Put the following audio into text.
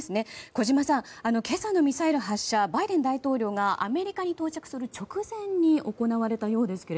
小島さん、今朝のミサイル発射バイデン大統領がアメリカに到着する直前に行われたようですが